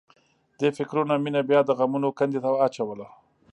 دې فکرونو مينه بیا د غمونو کندې ته اچوله